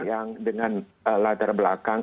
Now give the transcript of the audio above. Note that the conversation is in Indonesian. yang dengan latar belakang